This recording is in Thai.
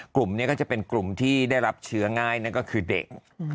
กลุ่มนี้ก็จะเป็นกลุ่มที่ได้รับเชื้อง่ายนั่นก็คือเด็ก